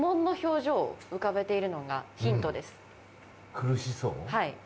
苦しそう？